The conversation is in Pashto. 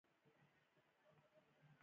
په نه خبره سره خره په خره شوي.